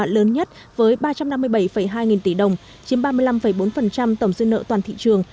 lớn nhất với ba trăm năm mươi bảy hai nghìn tỷ đồng chiếm ba mươi năm bốn tổng dư nợ toàn thị trường